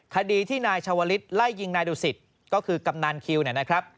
คดีที่นายชาวลิศไล่ยิงนายดูสิตก็คือกำนันคิวนะครับ